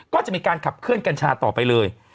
ก็จะมีการขับเคลื่อกัญชาต่อไปเลย